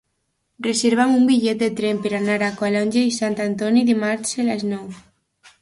Reserva'm un bitllet de tren per anar a Calonge i Sant Antoni dimarts a les nou.